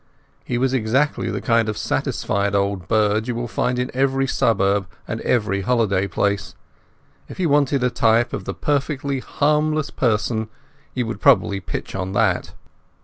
He was exactly the kind of satisfied old bird you will find in every suburb and every holiday place. If you wanted a type of the perfectly harmless person you would probably pitch on that.